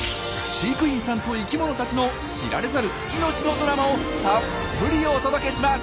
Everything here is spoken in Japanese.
飼育員さんと生きものたちの知られざる命のドラマをたっぷりお届けします！